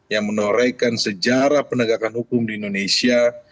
yang menorehkan sejarah penegakan hukum di indonesia